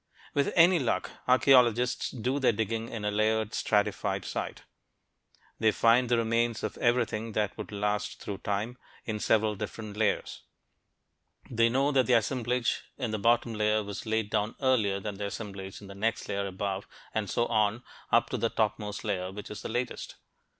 With any luck, archeologists do their digging in a layered, stratified site. They find the remains of everything that would last through time, in several different layers. They know that the assemblage in the bottom layer was laid down earlier than the assemblage in the next layer above, and so on up to the topmost layer, which is the latest.